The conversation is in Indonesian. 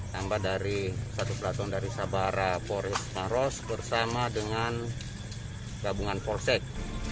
tambah dari satu platon dari sabara polres maros bersama dengan gabungan polsek